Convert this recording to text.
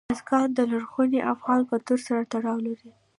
بزګان د لرغوني افغان کلتور سره تړاو لري.